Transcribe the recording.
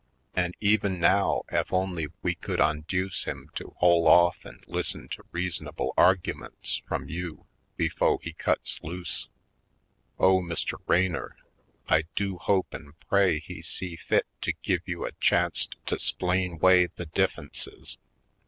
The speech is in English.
An' even now ef only we could onduce him to hole off an' lis'sen to reasonable argumints f rum you be fo' he cuts loose! Oh, Mr. Raynor, I do hope an' pray he see fit to give you a chanc't to 'splain 'way the diiife'nces!